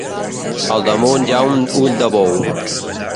Al damunt hi ha un ull de bou.